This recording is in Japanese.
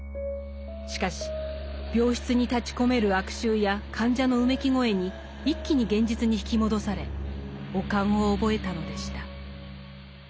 しかし病室に立ちこめる悪臭や患者のうめき声に一気に現実に引き戻され悪寒を覚えたのでした。